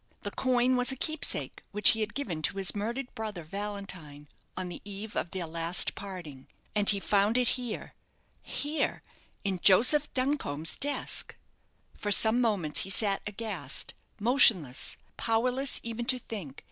The coin was a keepsake which he had given to his murdered brother, Valentine, on the eve of their last parting. And he found it here here, in Joseph Duncombe's desk! For some moments he sat aghast, motionless, powerless even to think.